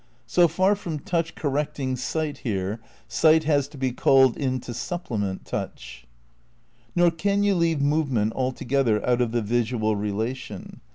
So far from touch correcting sight here, sight has to be called in to supplement touch. Nor can you leave movement altogether out of the visual relation.